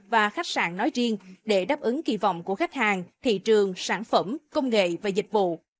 và khách sạn nói riêng để đáp ứng kỳ vọng của khách hàng thị trường sản phẩm công nghệ và dịch vụ